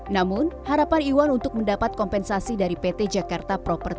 namun harapan iwan untuk mendapat kompensasi dari pt jakarta property